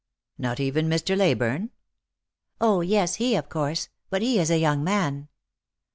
" Not even Mr. Leyburne P "" 0, yes, he, of course. But he is a young man."